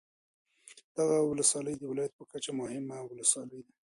دغه ولسوالي د ولایت په کچه مهمه ولسوالي ده.